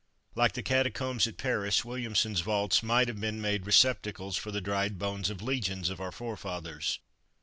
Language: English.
Like the catacombs at Paris, Williamson's vaults might have been made receptacles for the dried bones of legions of our forefathers.